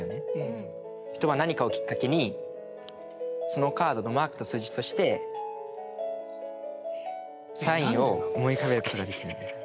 人は何かをきっかけにそのカードのマークと数字そしてサインを思い浮かべることができるんです。